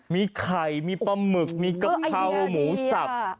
มีไข่มีปลาหมึกมีกะเพราหมูสับ